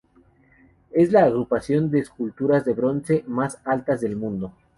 Es la agrupación de esculturas de bronce más altas del mundo.